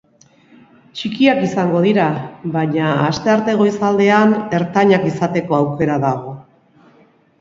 Txikiak izango dira, baina astearte goizaldean ertainak izateko aukera dago.